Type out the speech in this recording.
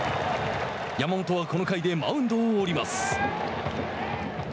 山本はこの回でマウンドを降ります。